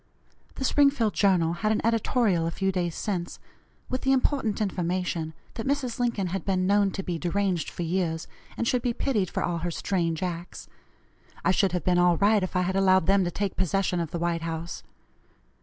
The Springfield Journal had an editorial a few days since, with the important information that Mrs. Lincoln had been known to be deranged for years, and should be pitied for all her strange acts. I should have been all right if I had allowed them to take possession of the White House.